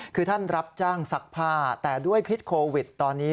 คือท่านรับจ้างซักผ้าแต่ด้วยพิษโควิดตอนนี้